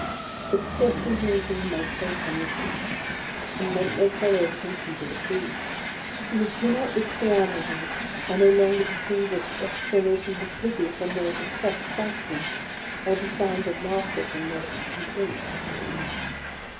I could scarcely maintain my place on the seat, and lent no further attention to the Priest. In the tumult which surrounded me, I no longer distinguished exclamations of pity from those of satisfaction, or the sounds of laughter from those of complaint.